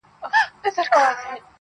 سـتـــا خــبــــــري دي.